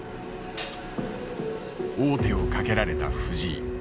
王手をかけられた藤井。